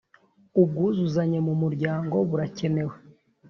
Ubwuzuzanye mu muryango burakenewe